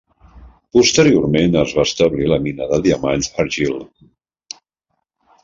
Posteriorment es va establir la mina de diamants Argyle.